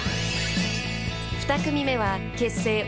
［２組目は結成